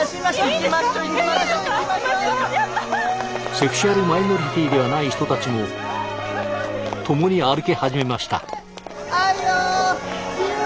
セクシュアルマイノリティではない人たちも共に歩き始めました。